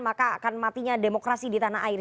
maka akan matinya demokrasi di tanah air